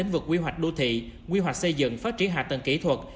lĩnh vực quy hoạch đô thị quy hoạch xây dựng phát triển hạ tầng kỹ thuật